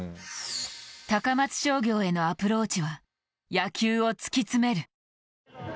高松商業へのアプローチは野球を突き詰める。